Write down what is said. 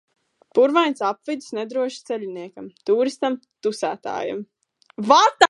Purvains apvidus nedrošs ceļiniekam, tūristam, tusētājam.